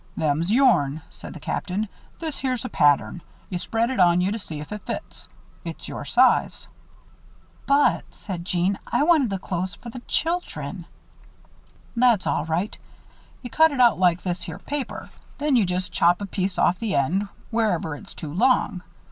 "Them's yourn," said the Captain. "This here's a pattern. You spread it on you to see if it fits. It's your size." "But," said Jeanne, "I wanted the clothes for the children." "That's all right. You cut it out like this here paper. Then you just chop a piece off the end, wherever it's too long.